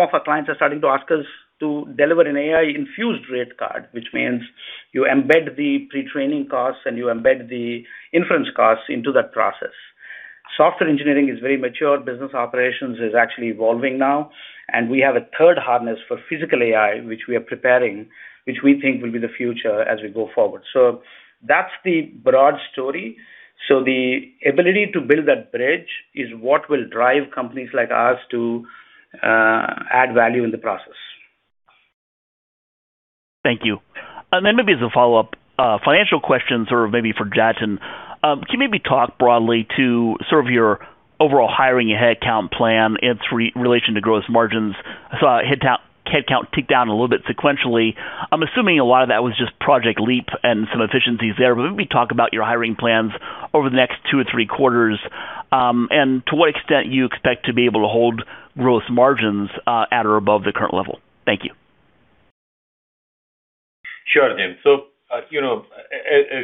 of our clients are starting to ask us to deliver an AI-infused rate card, which means you embed the pre-training costs and you embed the inference costs into that process. Software engineering is very mature. Business operations is actually evolving now, and we have a third harness for Physical AI, which we are preparing, which we think will be the future as we go forward so that's the broad story. The ability to build that bridge is what will drive companies like ours to add value in the process.
Thank you. Maybe as a follow-up, financial questions sort of maybe for Jatin. Can you maybe talk broadly to sort of your overall hiring headcount plan in relation to gross margins? I saw headcount tick down a little bit sequentially. I'm assuming a lot of that was just Project Leap and some efficiencies there. Maybe talk about your hiring plans over the next two or three quarters, and to what extent you expect to be able to hold gross margins at or above the current level. Thank you.
Sure, Jim. As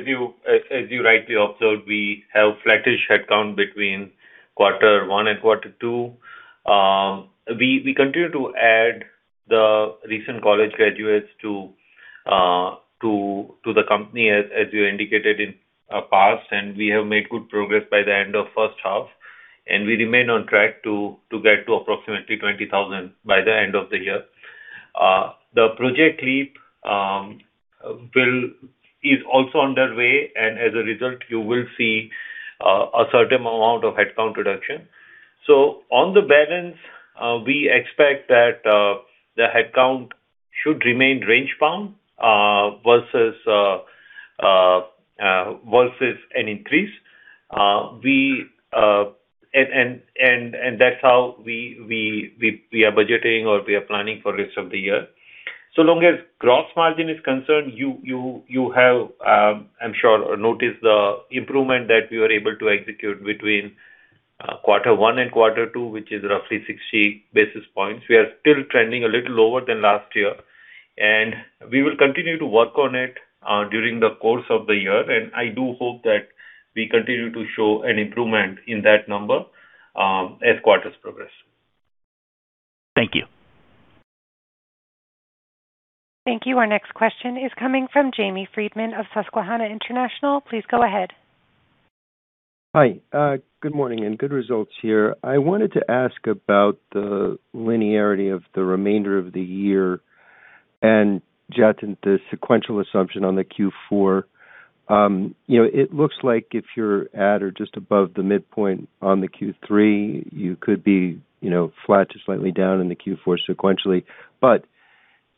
you rightly observed, we have flattish headcount between quarter one and quarter two. We continue to add the recent college graduates to the company, as you indicated in the past, and we have made good progress by the end of first half, and we remain on track to get to approximately 20,000 by the end of the year. The Project Leap is also underway, as a result, you will see a certain amount of headcount reduction. On the balance, we expect that the headcount should remain range-bound versus an increase. That's how we are budgeting or we are planning for rest of the year. Long as gross margin is concerned, you have, I'm sure, noticed the improvement that we were able to execute between quarter one and quarter two, which is roughly 60 basis points. We are still trending a little lower than last year. We will continue to work on it during the course of the year. I do hope that we continue to show an improvement in that number as quarters progress.
Thank you.
Thank you. Our next question is coming from Jamie Friedman of Susquehanna International. Please go ahead.
Hi. Good morning and good results here. I wanted to ask about the linearity of the remainder of the year and, Jatin, the sequential assumption on the Q4. It looks like if you're at or just above the midpoint on the Q3, you could be flat to slightly down in the Q4 sequentially,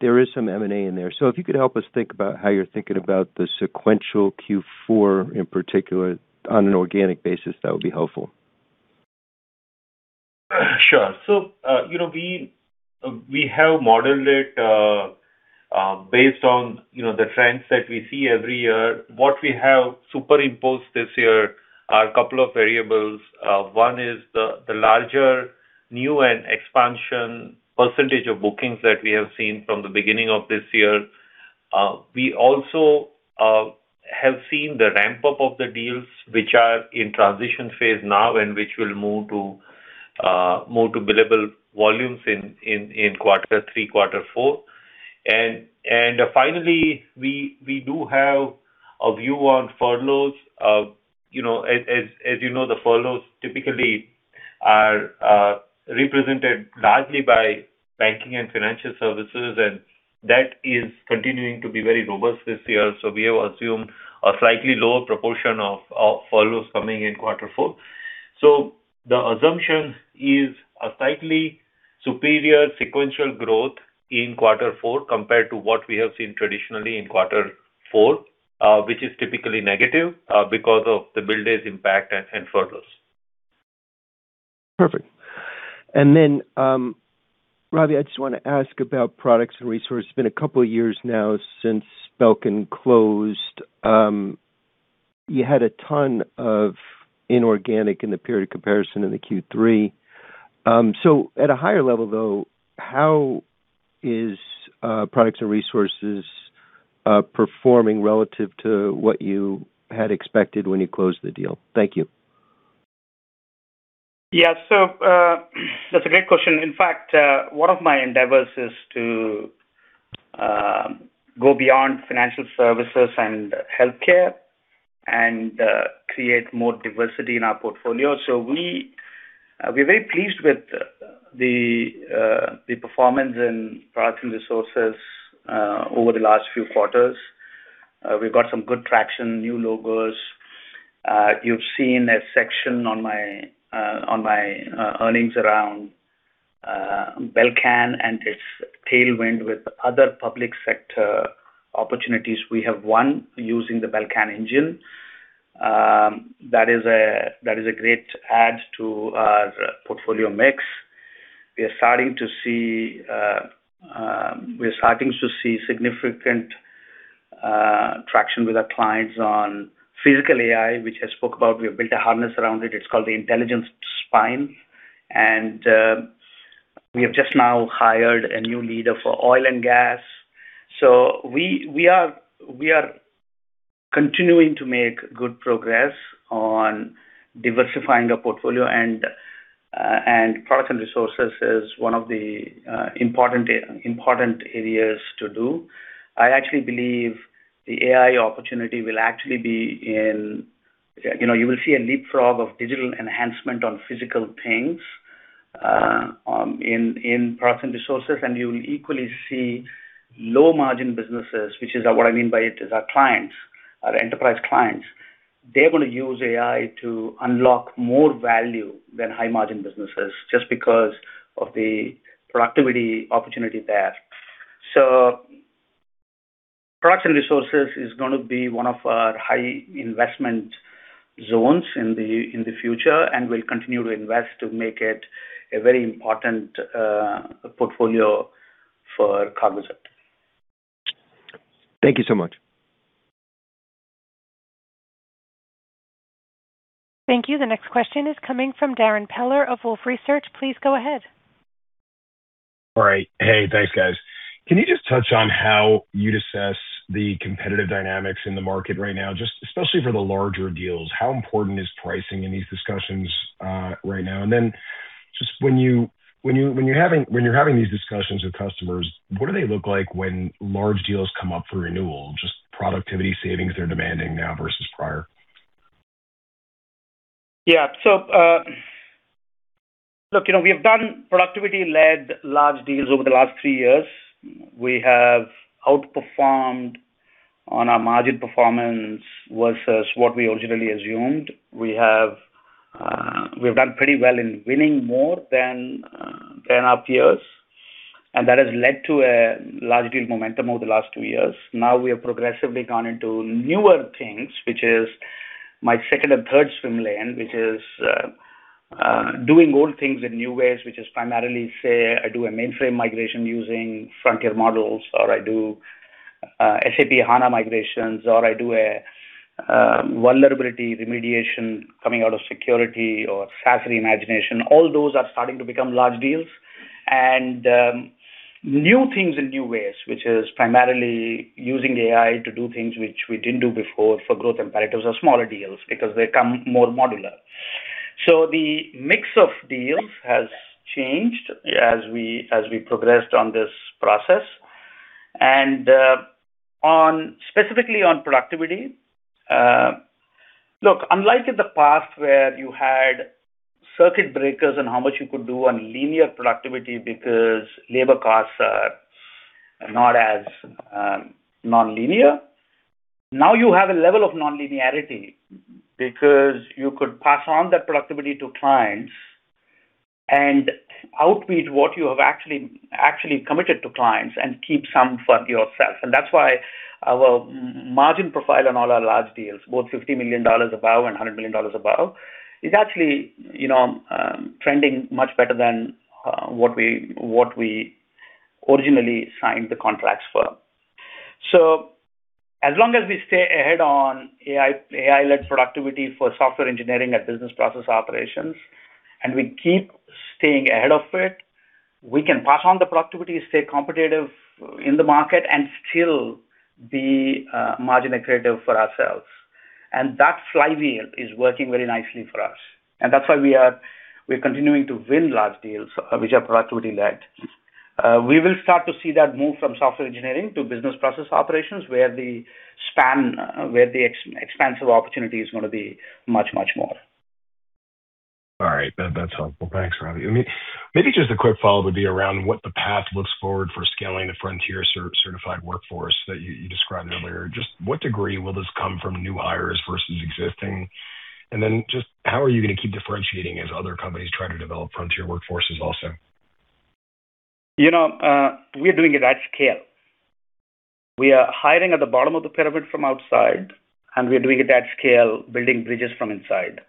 but there is some M&A in there. If you could help us think about how you're thinking about the sequential Q4, in particular on an organic basis, that would be helpful.
Sure. We have modeled it based on the trends that we see every year. What we have superimposed this year are a couple of variables. One is the larger new and expansion percentage of bookings that we have seen from the beginning of this year. We also have seen the ramp-up of the deals which are in transition phase now and which will move to billable volumes in quarter three, quarter four. Finally, we do have a view on furloughs. As you know, the furloughs typically are represented largely by banking and financial services, and that is continuing to be very robust this year. We have assumed a slightly lower proportion of furloughs coming in quarter four. The assumption is a slightly superior sequential growth in quarter four compared to what we have seen traditionally in quarter four, which is typically negative because of the bill days impact and furloughs.
Perfect. Then, Ravi, I just want to ask about products and resources. It's been a couple of years now since Belcan closed. You had a ton of inorganic in the period of comparison in the Q3. At a higher level, though, how is products and resources performing relative to what you had expected when you closed the deal? Thank you.
Yeah. That's a great question. In fact, one of my endeavors is to go beyond financial services and healthcare and create more diversity in our portfolio. We're very pleased with the performance in products and resources over the last few quarters. We've got some good traction, new logos. You've seen a section on my earnings around Belcan and its tailwind with other public sector opportunities we have won using the Belcan engine. That is a great add to our portfolio mix. We're starting to see significant traction with our clients on Physical AI, which I spoke about. We have built a harness around it. It's called the Intelligence Spine. We have just now hired a new leader for oil and gas. We are continuing to make good progress on diversifying our portfolio and product and resources is one of the important areas to do. I actually believe the AI opportunity will actually be. You will see a leapfrog of digital enhancement on physical things in product and resources, and you will equally see low margin businesses, which is what I mean by it, is our clients, our enterprise clients, they're going to use AI to unlock more value than high margin businesses just because of the productivity opportunity there. Product and resources is going to be one of our high investment zones in the future, and we'll continue to invest to make it a very important portfolio for Cognizant.
Thank you so much.
Thank you. The next question is coming from Darrin Peller of Wolfe Research. Please go ahead.
All right. Hey, thanks, guys. Can you just touch on how you'd assess the competitive dynamics in the market right now, just especially for the larger deals. How important is pricing in these discussions right now? Just when you're having these discussions with customers, what do they look like when large deals come up for renewal? Just productivity savings they're demanding now versus prior.
Yeah. Look, we have done productivity-led large deals over the last three years. We have outperformed on our margin performance versus what we originally assumed. We've done pretty well in winning more than plan appears, and that has led to a large deal momentum over the last two years. Now we have progressively gone into newer things, which is my second and third swim lane, which is doing old things in new ways, which is primarily, say, I do a mainframe migration using frontier models, or I do SAP S/4HANA migrations, or I do a vulnerability remediation coming out of security or SaaS reimagination. All those are starting to become large deals, and new things in new ways, which is primarily using AI to do things which we didn't do before for growth imperatives or smaller deals because they come more modular. The mix of deals has changed as we progressed on this process. Specifically on productivity, look, unlike in the past where you had circuit breakers and how much you could do on linear productivity because labor costs are not as nonlinear. Now you have a level of nonlinearity because you could pass on that productivity to clients and outbid what you have actually committed to clients and keep some for yourself. That's why our margin profile on all our large deals, both $50 million above and $100 million above, is actually trending much better than what we originally signed the contracts for. As long as we stay ahead on AI-led productivity for software engineering and business process operations, and we keep staying ahead of it, we can pass on the productivity, stay competitive in the market, and still be margin accretive for ourselves. That flywheel is working very nicely for us, that's why we're continuing to win large deals which are productivity-led. We will start to see that move from software engineering to business process operations, where the span, where the expansive opportunity is going to be much, much more.
All right. That's helpful. Thanks, Ravi. Maybe just a quick follow would be around what the path looks forward for scaling the frontier certified workforce that you described earlier. Just what degree will this come from new hires versus existing? Then just how are you going to keep differentiating as other companies try to develop frontier workforces also?
We're doing it at scale. We are hiring at the bottom of the pyramid from outside. We are doing it at scale, building bridges from inside.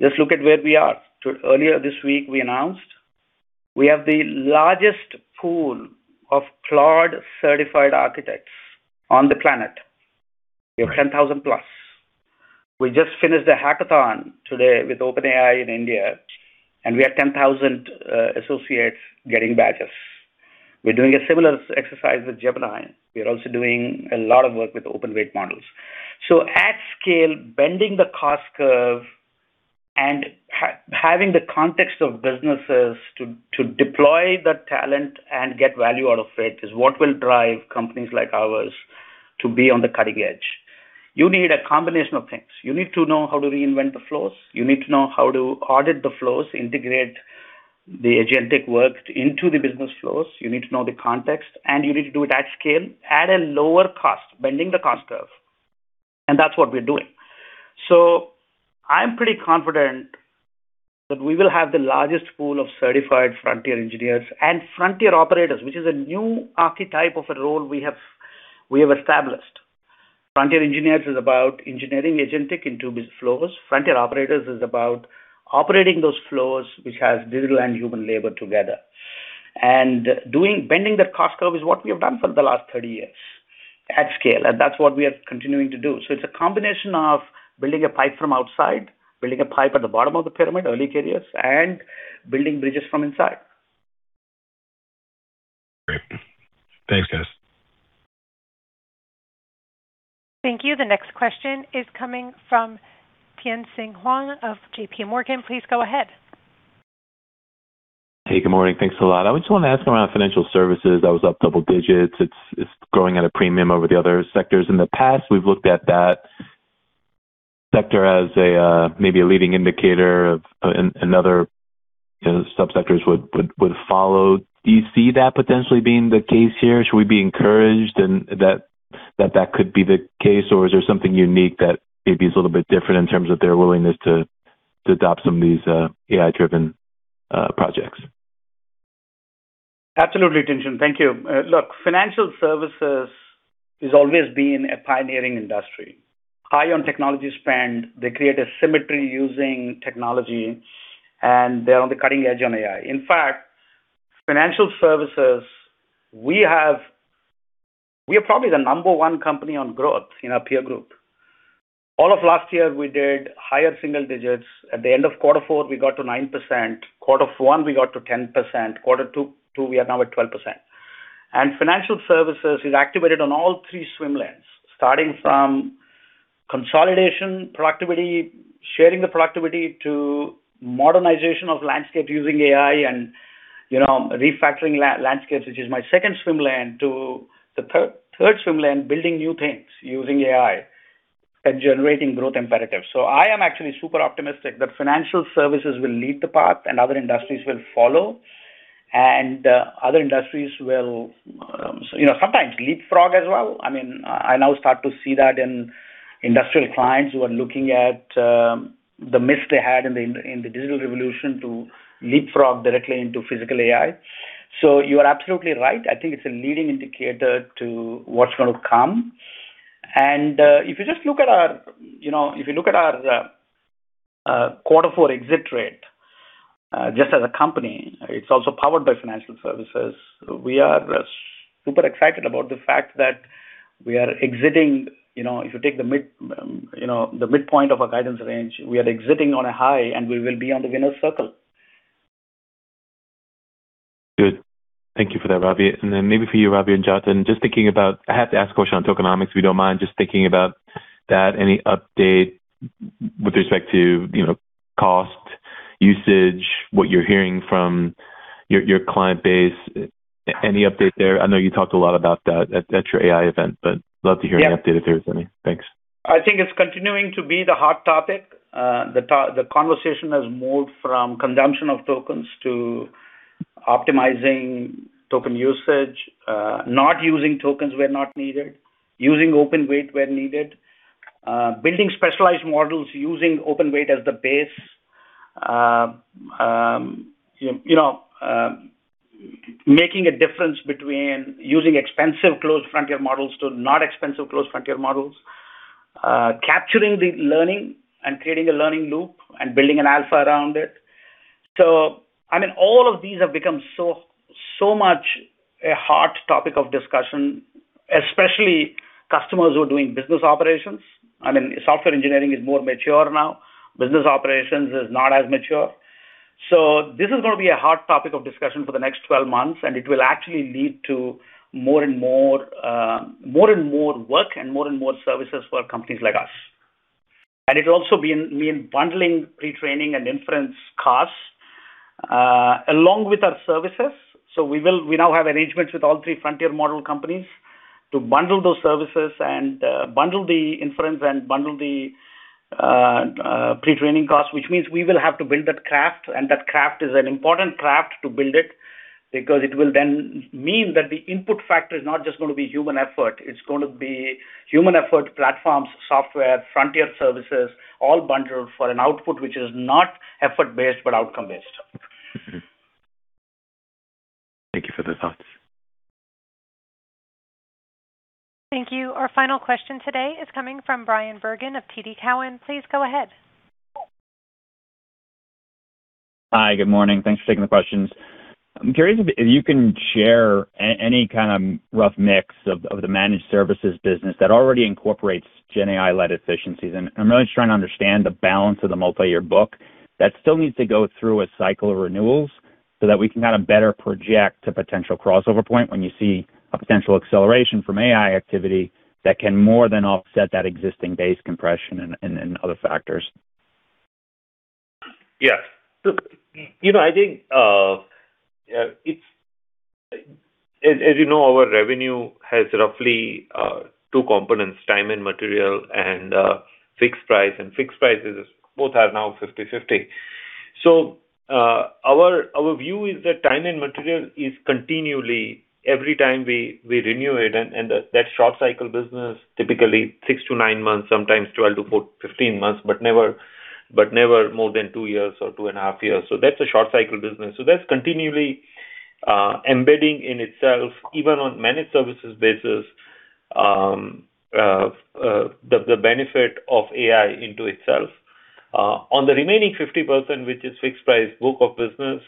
Just look at where we are. Earlier this week, we announced we have the largest pool of Claude certified architects on the planet. We have 10,000+. We just finished a hackathon today with OpenAI in India. We had 10,000 associates getting badges. We're doing a similar exercise with Gemini. We're also doing a lot of work with open weight models. At scale, bending the cost curve and having the context of businesses to deploy that talent and get value out of it is what will drive companies like ours to be on the cutting edge. You need a combination of things. You need to know how to reinvent the flows. You need to know how to audit the flows, integrate the agentic work into the business flows. You need to know the context. You need to do it at scale, at a lower cost, bending the cost curve. That's what we're doing. I'm pretty confident that we will have the largest pool of certified Frontier engineers and Frontier operators, which is a new archetype of a role we have established. Frontier engineers is about engineering agentic into biz flows. Frontier operators is about operating those flows, which has digital and human labor together. Bending the cost curve is what we have done for the last 30 years at scale. That's what we are continuing to do. It's a combination of building a pipe from outside, building a pipe at the bottom of the pyramid, early careers, and building bridges from inside.
Thanks, guys.
Thank you. The next question is coming from Tien-tsin Huang of JPMorgan. Please go ahead.
Hey, good morning. Thanks a lot. I just want to ask around financial services. That was up double digits. It's growing at a premium over the other sectors. In the past, we've looked at that sector as maybe a leading indicator of another subsectors would follow. Do you see that potentially being the case here? Should we be encouraged that that could be the case, or is there something unique that maybe is a little bit different in terms of their willingness to adopt some of these AI-driven projects?
Absolutely, Tien-tsin. Thank you. Look, financial services has always been a pioneering industry, high on technology spend. They create a symmetry using technology, and they're on the cutting edge on AI. In fact, financial services, we are probably the number 1 company on growth in our peer group. All of last year, we did higher single digits. At the end of Q4, we got to 9%. Q1, we got to 10%. Q2, we are now at 12%. Financial services is activated on all three swim lanes, starting from consolidation, productivity, sharing the productivity to modernization of landscape using AI and refactoring landscapes, which is my second swim lane, to the third swim lane, building new things using AI and generating growth imperatives. I am actually super optimistic that financial services will lead the path and other industries will follow. Other industries will sometimes leapfrog as well. I now start to see that in industrial clients who are looking at the miss they had in the digital revolution to leapfrog directly into Physical AI. You are absolutely right. I think it's a leading indicator to what's going to come. If you just look at our Q4 exit rate, just as a company, it's also powered by financial services. We are super excited about the fact that we are exiting. If you take the midpoint of our guidance range, we are exiting on a high, and we will be on the winner's circle.
Good. Thank you for that, Ravi. Maybe for you, Ravi and Jatin, I have to ask a question on tokenomics. We don't mind just thinking about that. Any update with respect to cost, usage, what you're hearing from your client base? Any update there? I know you talked a lot about that at your AI event but love to hear an update if there is any. Thanks.
I think it's continuing to be the hot topic. The conversation has moved from consumption of tokens to optimizing token usage, not using tokens where not needed, using open weight where needed, building specialized models using open weight as the base. Making a difference between using expensive closed frontier models to not expensive closed frontier models. Capturing the learning and creating a learning loop and building an alpha around it. All of these have become so much a hot topic of discussion, especially customers who are doing business operations. Software engineering is more mature now. Business operations is not as mature. This is going to be a hot topic of discussion for the next 12 months, and it will actually lead to more and more work and more and more services for companies like us. It will also mean bundling pre-training and inference costs along with our services. We now have arrangements with all three frontier model companies to bundle those services and bundle the inference and bundle the pre-training costs, which means we will have to build that craft, and that craft is an important craft to build it because it will then mean that the input factor is not just going to be human effort. It's going to be human effort, platforms, software, frontier services, all bundled for an output which is not effort-based, but outcome-based.
Thank you for those thoughts.
Thank you. Our final question today is coming from Bryan Bergin of TD Cowen. Please go ahead.
Hi. Good morning. Thanks for taking the questions. I'm curious if you can share any rough mix of the managed services business that already incorporates GenAI-led efficiencies. I'm really just trying to understand the balance of the multi-year book that still needs to go through a cycle of renewals so that we can better project a potential crossover point when you see a potential acceleration from AI activity that can more than offset that existing base compression and other factors.
Yeah. As you know, our revenue has roughly two components, time and material and fixed price. Fixed prices, both are now 50/50. Our view is that time and material is continually every time we renew it, and that short cycle business, typically 6 to 9 months, sometimes 12 to 15 months, but never more than two years or two and a half years. That's a short cycle business. That's continually embedding in itself, even on managed services basis, the benefit of AI into itself. On the remaining 50%, which is fixed price book of business,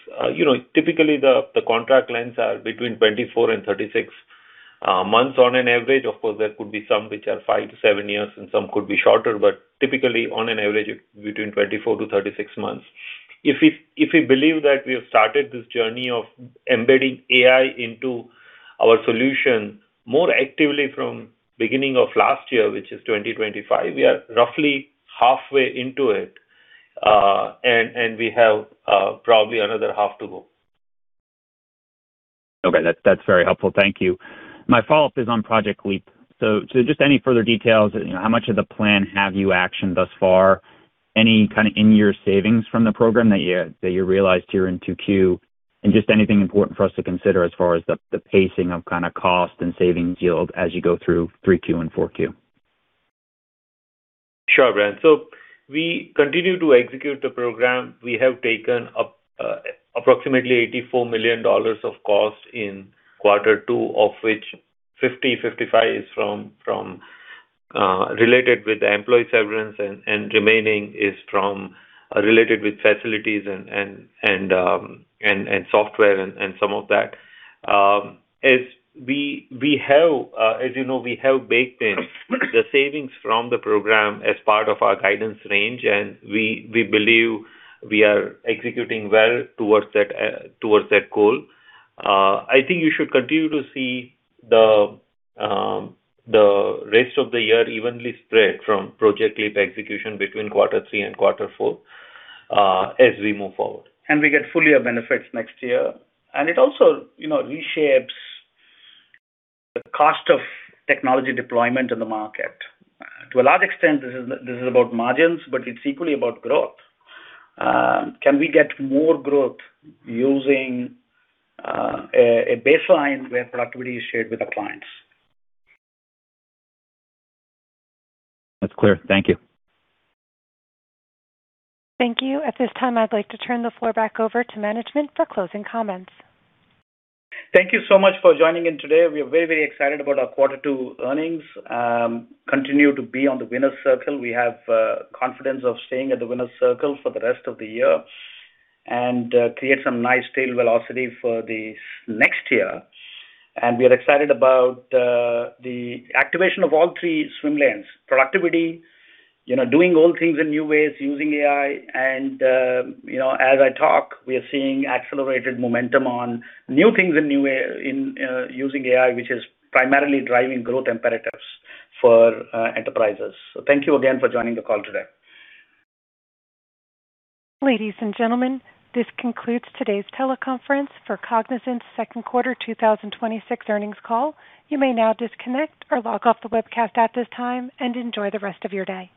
typically the contract lengths are between 24 and 36 months on an average. Of course, there could be some which are five to seven years and some could be shorter, but typically on an average between 24 to 36 months. If we believe that we have started this journey of embedding AI into our solution more actively from beginning of last year, which is 2025, we are roughly halfway into it, and we have probably another half to go.
Okay. That's very helpful. Thank you. My follow-up is on Project Leap. Just any further details, how much of the plan have you actioned thus far? Any kind of in-year savings from the program that you realized here in 2Q? Just anything important for us to consider as far as the pacing of cost and savings yield as you go through 3Q and 4Q.
Sure, Bryan. We continue to execute the program. We have taken up approximately $84 million of cost in quarter two, of which 50/55 is related with the employee severance and remaining is related with facilities and software and some of that. As you know, we have baked in the savings from the program as part of our guidance range, and we believe we are executing well towards that goal. I think you should continue to see the rest of the year evenly spread from Project Leap execution between quarter three and quarter four as we move forward.
We get full year benefits next year. It also reshapes the cost of technology deployment in the market. To a large extent, this is about margins, but it's equally about growth. Can we get more growth using a baseline where productivity is shared with our clients?
That's clear. Thank you.
Thank you. At this time, I'd like to turn the floor back over to management for closing comments.
Thank you so much for joining in today. We are very excited about our quarter two earnings. Continue to be on the winner's circle. We have confidence of staying at the winner's circle for the rest of the year and create some nice tail velocity for the next year. We are excited about the activation of all three swim lanes, productivity, doing old things in new ways, using AI, and as I talk, we are seeing accelerated momentum on new things in using AI, which is primarily driving growth imperatives for enterprises. Thank you again for joining the call today.
Ladies and gentlemen, this concludes today's teleconference for Cognizant's second quarter 2026 earnings call. You may now disconnect or log off the webcast at this time and enjoy the rest of your day.